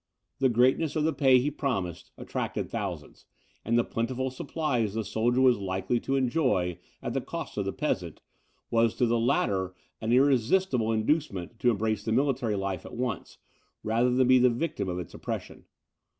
The greatness of the pay he promised attracted thousands, and the plentiful supplies the soldier was likely to enjoy at the cost of the peasant, was to the latter an irresistible inducement to embrace the military life at once, rather than be the victim of its oppression.